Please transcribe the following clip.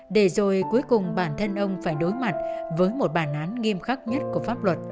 để rồi cuối cùng bản thân ông phải đối mặt với một bản án nghiêm khắc nhất của pháp luật